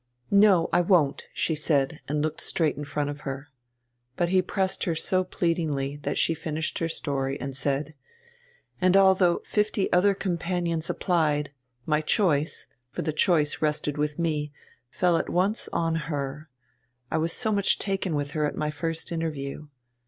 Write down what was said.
"No, I won't," she said, and looked straight in front of her. But he pressed her so pleadingly that she finished her story and said: "And although fifty other companions applied, my choice for the choice rested with me fell at once on her, I was so much taken with her at my first interview.